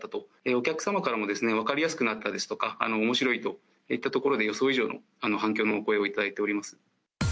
お客様からも分かりやすくなったですとか、おもしろいといったところで、予想以上の反響のお声を頂いております。